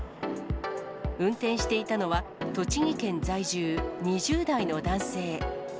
運転していたのは、栃木県在住、２０代の男性。